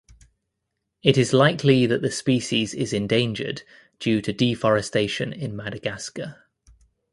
It is likely that the species is endangered due to deforestation in Madagascar.